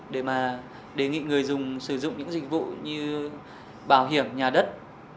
để mà đề nghị người dùng sử dụng những dịch vụ như bảo hiểm nhà đất